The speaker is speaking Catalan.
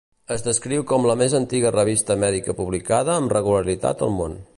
Es descriu com la més antiga revista mèdica publicada amb regularitat al món.